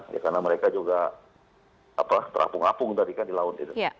karena mereka juga terapung apung tadi kan di laut itu